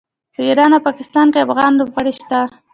په ایران او پاکستان کې افغان لوبغاړي شته.